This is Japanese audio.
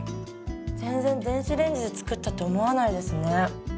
全然電子レンジで作ったって思わないですね。